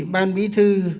ban bí thư